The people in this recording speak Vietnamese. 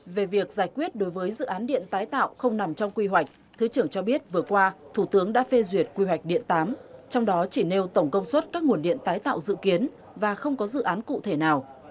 về việc giải quyết đối với dự án điện tái tạo không nằm trong quy hoạch thứ trưởng cho biết vừa qua thủ tướng đã phê duyệt quy hoạch điện tám trong đó chỉ nêu tổng công suất các nguồn điện tái tạo dự kiến và không có dự án cụ thể nào